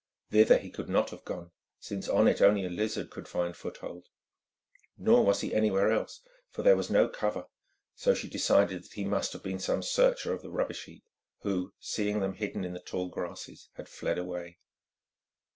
Thither he could not have gone, since on it only a lizard could find foothold. Nor was he anywhere else, for there was no cover; so she decided that he must have been some searcher of the rubbish heap, who, seeing them hidden in the tall grasses, had fled away.